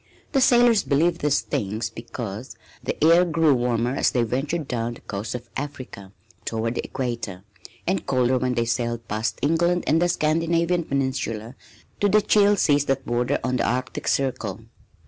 The sailors believed these things because the air grew warmer as they ventured down the coast of Africa toward the equator, and colder when they sailed past England and the Scandinavian peninsula to the chill seas that border on the Arctic Circle.